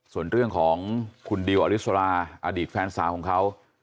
ส่วนเรื่องของคุณดิวอลิสราอดีตแฟนสาวของเขา